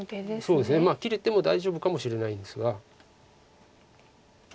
そうですね切れても大丈夫かもしれないんですが。